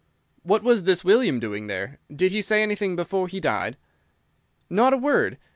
"What was this William doing there? Did he say anything before he died?" "Not a word.